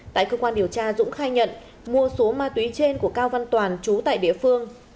tại cơ quan điều tra dũng khai nhận mua số ma túy trên của cao văn toàn chú tại địa phương